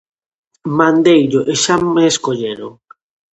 Mandeillo e xa me escolleron.